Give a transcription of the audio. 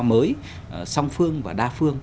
mới song phương và đa phương